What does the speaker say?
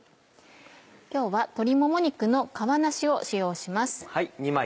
今日は鶏もも肉の皮なしを使用します。